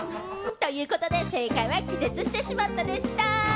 ということで、正解は気絶してしまったでした。